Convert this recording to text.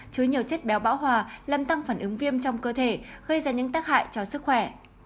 chứa nhiều chất béo bão hòa làm tăng phản ứng viêm trong cơ thể gây ra những tác hại cho sức khỏe